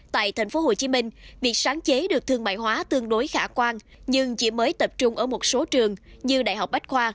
tại tp hcm việc sáng chế được thương mại hóa tương đối khả quan nhưng chỉ mới tập trung ở một số trường như đại học bách khoa